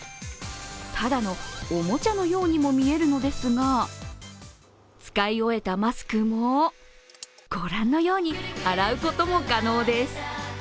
ただのおもちゃのようにも見えるのですが、使い終えたマスクも御覧のように洗うことも可能です。